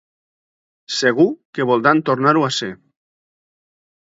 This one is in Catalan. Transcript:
Segur que voldran tornar-ho a ser.